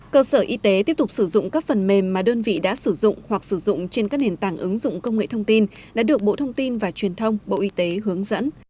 cơ sở y tế tiếp tục sử dụng các phần mềm mà đơn vị đã sử dụng hoặc sử dụng trên các nền tảng ứng dụng công nghệ thông tin đã được bộ thông tin và truyền thông bộ y tế hướng dẫn